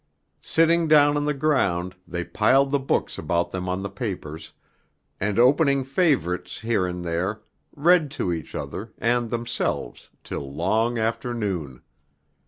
Sitting down on the ground they piled the books about them on the papers, and opening favorites here and there read to each other and themselves till long after noon.